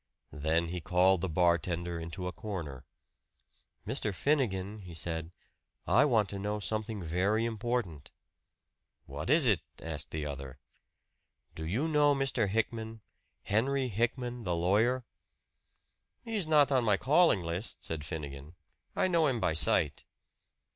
Then he called the bartender into a corner. "Mr. Finnegan," he said, "I want to know something very important." "What is it?" asked the other. "Do you know Mr. Hickman Henry Hickman, the lawyer?" "He's not on my calling list," said Finnegan. "I know him by sight."